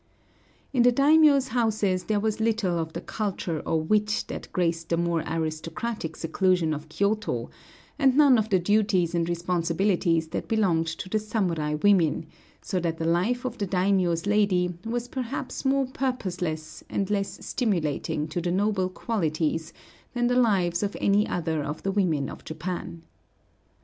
[*182] In the daimiōs' houses there was little of the culture or wit that graced the more aristocratic seclusion of Kyōto, and none of the duties and responsibilities that belonged to the samurai women, so that the life of the daimiō's lady was perhaps more purposeless, and less stimulating to the noble qualities, than the lives of any other of the women of Japan.